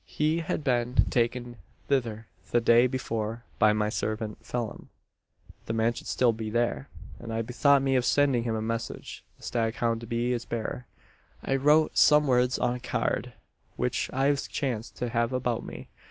He had been taken thither, the day before, by my servant, Phelim. "The man should still be there; and I bethought me of sending him a message the staghound to be its bearer. "I wrote some words on a card, which I chanced to have about me.